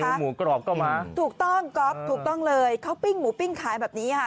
เมนูหมูกรอบเข้ามาถูกต้องก็ถูกต้องเลยเขาปิ้งหมูปิ้งขายแบบนี้ฮะ